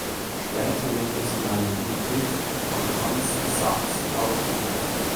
Später wird es in einem Gedicht von Hans Sachs aufgegriffen.